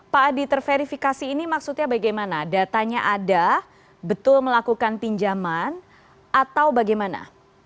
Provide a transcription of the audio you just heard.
pak adi terverifikasi ini maksudnya bagaimana datanya ada betul melakukan pinjaman atau bagaimana